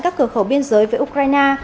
các cửa khẩu biên giới với ukraine